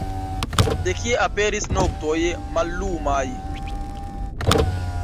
De kie aperis noktoj mallumaj?